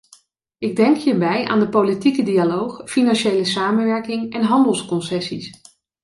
Ik denk hierbij aan de politieke dialoog, financiële samenwerking en handelsconcessies.